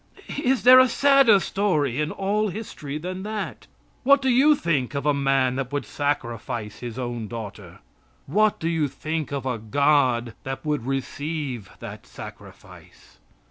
Is there a sadder story in all history than that? What do you think of a man that would sacrifice his own daughter? What do you think of a God that would receive that sacrifice?